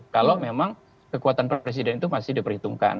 kalau memang kekuatan presiden itu masih diperhitungkan